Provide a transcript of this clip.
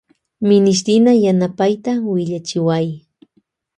Minishtina yanapayta willachiway.